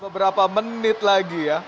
berapa menit lagi ya